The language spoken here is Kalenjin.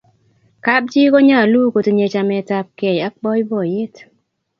kab chii konyalu kotinye chamiet ab kee ak baibaiet